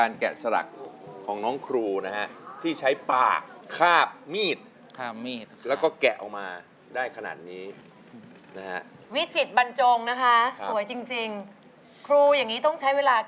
น้องครูไม่มีมืออยู่คนเดียวใช้ปาก